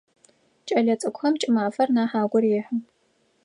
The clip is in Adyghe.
Кӏэлэцӏыкӏухэм кӏымафэр нахь агу рехьы.